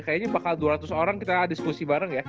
kayaknya bakal dua ratus orang kita diskusi bareng ya